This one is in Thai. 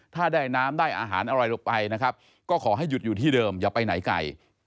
ถ้าได้น้ำได้อาหารอะไรลงไปนะครับก็ขอให้หยุดอยู่ที่เดิมอย่าไปไหนไกล